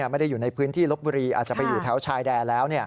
ไม่ได้อยู่ในพื้นที่ลบบุรีอาจจะไปอยู่แถวชายแดนแล้ว